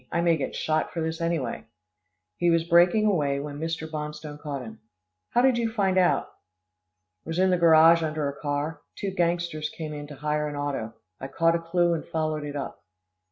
"I may get shot for this, anyway." He was breaking away, when Mr. Bonstone caught him. "How did you find out?" "Was in the garage under a car two gangsters came in to hire an auto I caught a clue and followed it up."